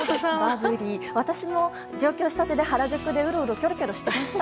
私も上京したてで、原宿でうろうろ、きょろきょろしていました。